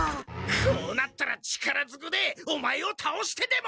こうなったら力ずくでオマエをたおしてでも！